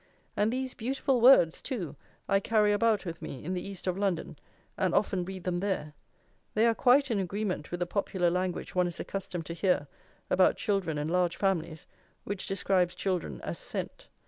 and these beautiful words, too, I carry about with me in the East of London, and often read them there. They are quite in agreement with the popular language one is accustomed to hear about children and large families, which describes children as sent.